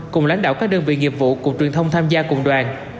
cùng lãnh đạo các đơn vị nghiệp vụ cục truyền thông tham gia cùng đoàn